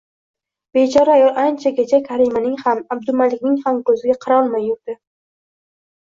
Bechora ayol anchagacha Karimaning ham, Abdumalikning ham ko`ziga qarolmay yurdi